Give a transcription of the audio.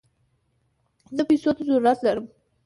زه پيسوته ضرورت لم